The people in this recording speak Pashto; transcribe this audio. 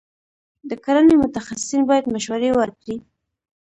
د کرنې متخصصین باید مشورې ورکړي.